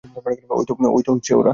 ঐ তো ওরা!